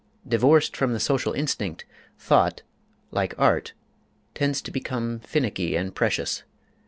Divorced from the social instinct, thought, like art, tends to become finicky and precious.